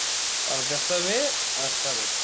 El que està bé, està bé.